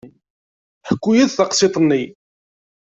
Ḥku-iyi-d taqsiṭ-nni.